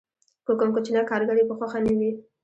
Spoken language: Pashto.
که کوم کوچنی کارګر یې په خوښه نه وي